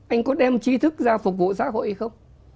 anh có đem chi thức ra phục vụ xã hội không